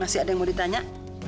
masih ada yang mau ditanya